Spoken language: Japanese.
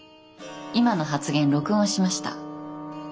今の発言録音しました。